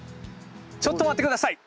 ちょっと待って下さい！